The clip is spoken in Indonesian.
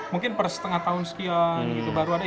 mungkin per setengah tahun sekian gitu baru ada